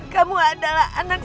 kamu adalah anakku